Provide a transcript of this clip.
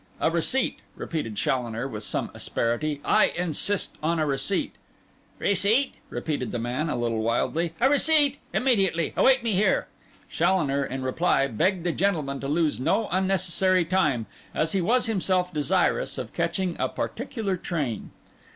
'A receipt,' repeated Challoner, with some asperity. 'I insist on a receipt.' 'Receipt?' repeated the man, a little wildly. 'A receipt? Immediately! Await me here.' Challoner, in reply, begged the gentleman to lose no unnecessary time, as he was himself desirous of catching a particular train.